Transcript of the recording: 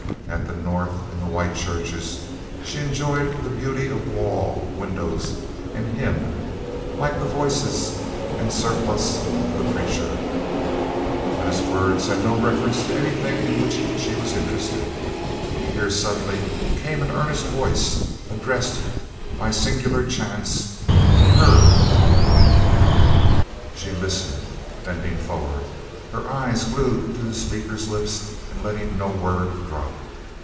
At the North, in the white churches, she enjoyed the beauty of wall, windows, and hymn, liked the voice and surplice of the preacher; but his words had no reference to anything in which she was interested. Here suddenly came an earnest voice addressed, by singular chance, to her of all the world. She listened, bending forward, her eyes glued to the speaker's lips and letting no word drop.